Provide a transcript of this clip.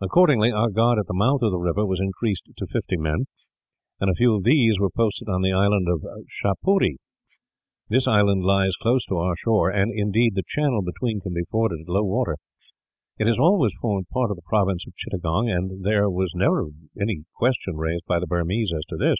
Accordingly, our guard at the mouth of the river was increased to fifty men, and a few of these were posted on the island of Shapuree. "This island lies close to our shore and, indeed, the channel between can be forded at low water. It has always formed part of the province of Chittagong, and there has never been any question raised by the Burmese as to this.